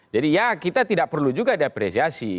jadi ya kita tidak perlu juga diapresiasi